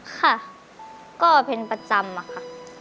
ค่ะก็เป็นประจำอะค่ะ